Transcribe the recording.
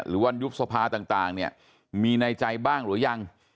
วันยุบสภาต่างเนี่ยมีในใจบ้างหรือยัง